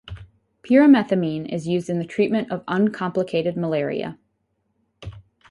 Pyrimethamine is used in the treatment of uncomplicated malaria.